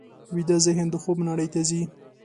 ویده ذهن د خوب نړۍ ته ځي